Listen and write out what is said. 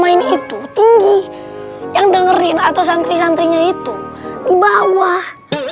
main itu tinggi yang dengerin atau santri santrinya itu di bawah